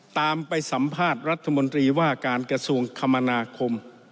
ตามไปสัมภาษณ์รัฐมนตรีว่าการกระทรวงคมนาคม